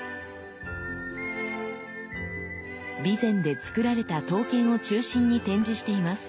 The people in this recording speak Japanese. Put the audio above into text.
備前で作られた刀剣を中心に展示しています。